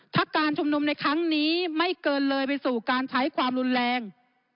ถ้าการชุมนุมในครั้งนี้ไม่เกินเลยไปสู่การใช้ความรุนแรง